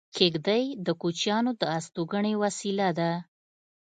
کېږدۍ د کوچیانو د استوګنې وسیله ده